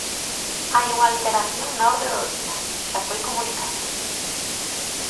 Hai unha alteración na orde do día; xa foi comunicada.